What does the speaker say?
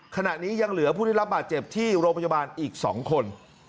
ขณะนี้ยังเหลือผู้ได้รับบาดเจ็บที่โรงพยาบาลอีก๒คน